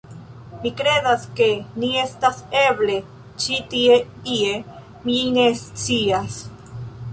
Mi kredas, ke ni estas eble ĉi tie ie... mi ne scias...